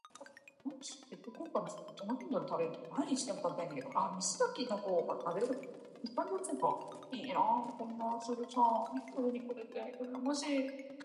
It is one of the largest undeveloped areas found along the Vestfold coast.